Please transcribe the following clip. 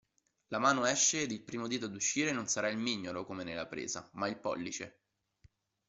La mano esce ed il primo dito ad uscire non sarà il mignolo come nella presa, ma il pollice.